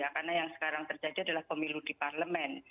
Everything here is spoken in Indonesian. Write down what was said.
karena yang sekarang terjadi adalah pemilu di parlemen